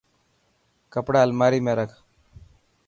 ڪپڙا الماري ۾ رک.